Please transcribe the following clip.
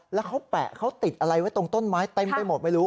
แล้วเขาแปะเขาติดอะไรไว้ตรงต้นไม้เต็มไปหมดไม่รู้